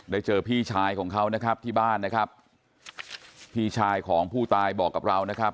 เจอพี่ชายของเขานะครับที่บ้านนะครับพี่ชายของผู้ตายบอกกับเรานะครับ